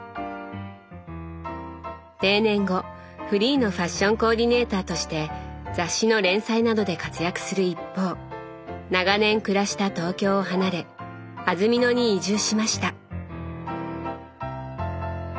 定年後フリーのファッションコーディネーターとして雑誌の連載などで活躍する一方長年暮らした東京を離れ安曇野に移住しました。